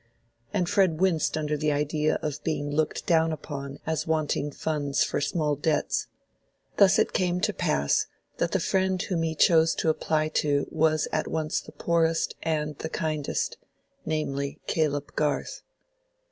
And Fred winced under the idea of being looked down upon as wanting funds for small debts. Thus it came to pass that the friend whom he chose to apply to was at once the poorest and the kindest—namely, Caleb Garth.